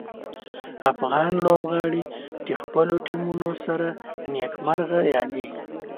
افغان لوبغاړي د خپلو ټیمونو سره نیک مرغه یادیږي.